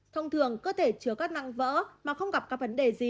thông thường cơ thể chứa các năng vỡ mà không gặp các vấn đề gì